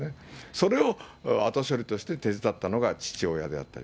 それを後処理として手伝ったのが父親だったり。